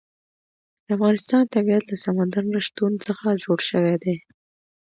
د افغانستان طبیعت له سمندر نه شتون څخه جوړ شوی دی.